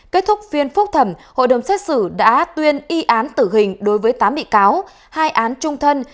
kết thúc phiên phúc thẩm hội đồng xét xử đã tuyên y án tử hình đối với tám bị cáo hai án trung thân